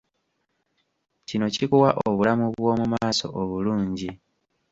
Kino kikuwa obulamu bw'omu maaso obulungi.